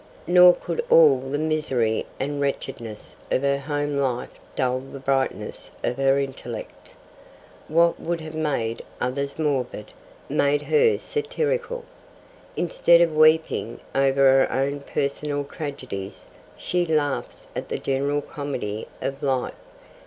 Nor could all the misery and wretchedness of her home life dull the brightness of her intellect. What would have made others morbid, made her satirical. Instead of weeping over her own personal tragedies, she laughs at the general comedy of life.